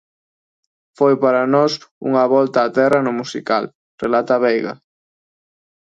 "Foi para nós unha volta á terra no musical", relata Veiga.